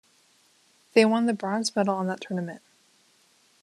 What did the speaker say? They won the bronze medal on that tournament.